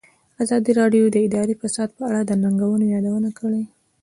ازادي راډیو د اداري فساد په اړه د ننګونو یادونه کړې.